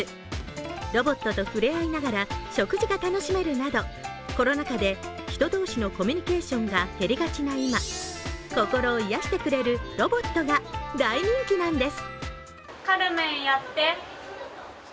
ロボットと触れ合いながら食事が楽しめるなどコロナ禍で人同士のコミュニケーションが減りがちな今、心を癒やしてくれるロボットが大人気なんです。